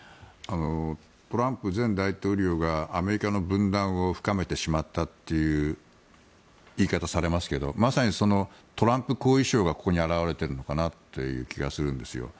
トランプ前大統領がアメリカの分断を深めてしまったという言い方をされますけどまさにトランプ後遺症がここに表れているのかなという気がするんですよ。